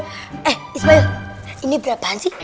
eh ismail ini berapaan sih